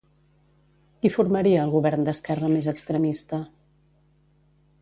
Qui formaria el govern d'esquerra més extremista?